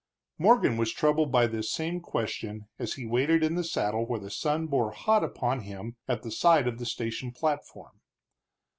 Morgan was troubled by this same question as he waited in the saddle where the sun bore hot upon him at the side of the station platform.